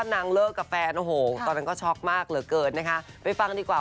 จริงแล้วก็ขอหลายเรื่องเลยเนอะ